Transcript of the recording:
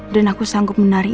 dan aku sanggup menari